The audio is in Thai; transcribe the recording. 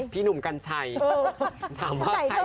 พี่หนุ่มกัญชน์กันชัย